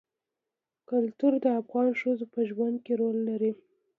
کلتور د افغان ښځو په ژوند کې رول لري.